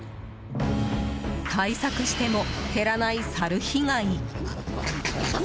対策しても減らないサル被害。